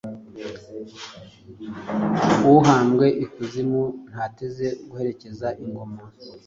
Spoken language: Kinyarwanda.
Uhambwe i kuzimu Ntateze guherezwa ingoma,